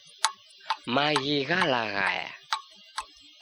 Maghi ghalaghaya